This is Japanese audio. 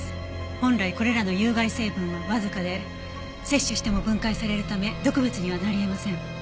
本来これらの有害成分はわずかで摂取しても分解されるため毒物にはなり得ません。